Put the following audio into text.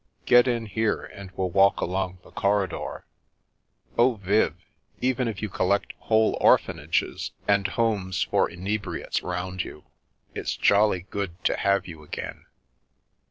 Get in here, and well walk along the corridor. Oh, Viv, even if you collect whole orphanages and homes for inebriates round you, it's jolly good to have you again."